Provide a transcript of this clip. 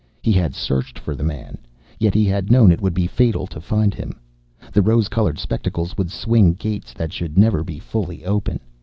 He had searched for the man. Yet he had known it would be fatal to find him. The rose colored spectacles would swing gates that should never be fully open.